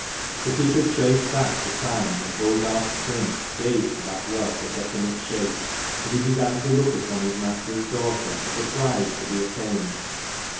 But he could trace back the time when Hogarth's prints gave to that love a definite shape, and he began to look upon his master's daughter as a prize to be attained.